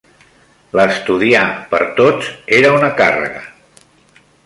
L'estudiar, per tots, era una càrrega;